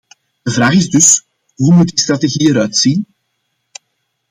De vraag is dus: hoe moet die strategie eruit zien?